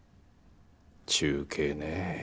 中継ね。